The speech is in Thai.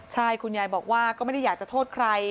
ใช่คุณยายบอกว่าก็ไม่ได้อยากจะโทษใคร